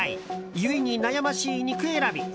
故に悩ましい肉選び。